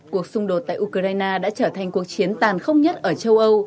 cuộc xung đột tại ukraine đã trở thành cuộc chiến tàn không nhất ở châu âu